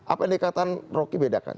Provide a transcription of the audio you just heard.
apa yang dikatakan rocky bedakan